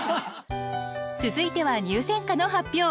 続いては入選歌の発表。